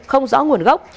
không rõ nguồn gốc